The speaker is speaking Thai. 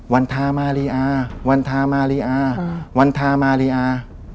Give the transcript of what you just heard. วันธามาริยาวันธามาริยาวันธามาริยา